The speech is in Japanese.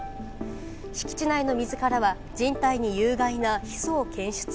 敷地内の水からは人体に有害なヒ素を検出。